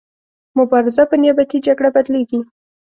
مبارزه په نیابتي جګړه بدلیږي.